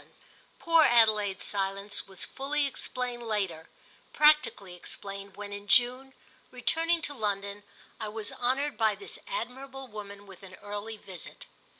X POOR Adelaide's silence was fully explained later—practically explained when in June, returning to London, I was honoured by this admirable woman with an early visit.